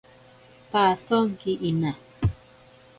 Pasonki ina.